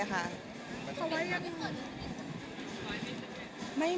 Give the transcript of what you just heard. มีเปิดกันกันไหม